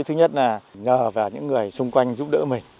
thứ nhất là nhờ vào những người xung quanh giúp đỡ mình